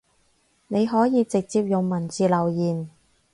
你可以直接用文字留言